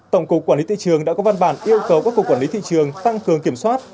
tổng cục quản lý thị trường đã có văn bản yêu cầu các cục quản lý thị trường tăng cường kiểm soát